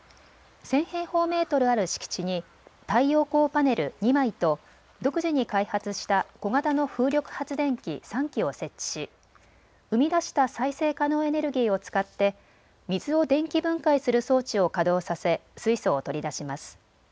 １０００平方メートルある敷地に太陽光パネル２枚と独自に開発した小型の風力発電機３機を設置し生み出した再生可能エネルギーを使って水を電気分解する装置を稼働させ水素を取り出します。